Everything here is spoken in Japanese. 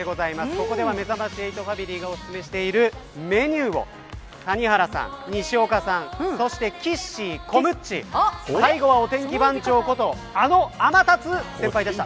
ここでは、めざまし８ファミリーがおすすめしているメニューを谷原さん、西岡さん、そしてきっしー、コムッチ最後はお天気番長ことあの天達先輩でした。